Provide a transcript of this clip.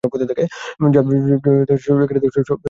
Johnny, সব তোমার উপর গিয়ে বসেছে।